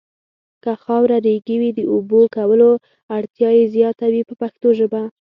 که خاوره ریګي وي د اوبو کولو اړتیا یې زیاته وي په پښتو ژبه.